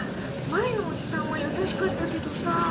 前のおじさんは優しかったけどさ。